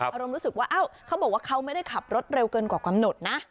อารมณ์รู้สึกว่าเขาบอกว่าเขาไม่ได้ขับรถเร็วเกินกว่ากำหนดนะ